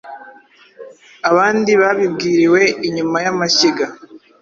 abandi babibwiriwe inyuma y’amashyiga.